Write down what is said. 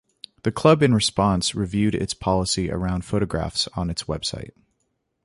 The Club in response reviewed its policy around photographs on its website.